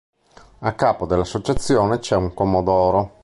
A capo dell'associazione c'è un Commodoro.